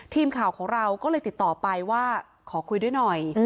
ทีมข่าวของเราก็เลยติดต่อไปว่าขอคุยด้วยหน่อย